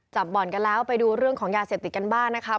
บ่อนกันแล้วไปดูเรื่องของยาเสพติดกันบ้างนะครับ